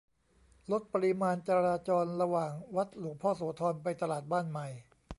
ลดปริมาณจราจรระหว่าง วัดหลวงพ่อโสธร ไปตลาดบ้านใหม่